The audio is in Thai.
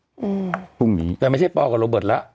อืมพรุ่งนี้แต่ไม่ใช่แล้ว